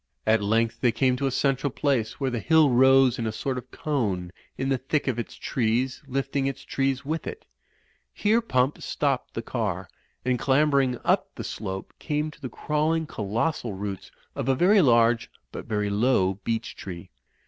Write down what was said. At length they came to a central place where the hill rose in a sort of cone in the thick of its trees, lifting its trees with it. Here Pump stopped the car, and clambering up the slope, came to the crawling colossal roots of a very large but very low beech tree.